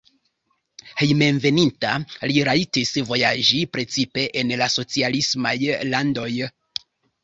Hejmenveninta li rajtis vojaĝi precipe en la socialismaj landoj.